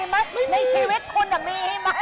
มีมั้ยในชีวิตคุณอะมีมั้ย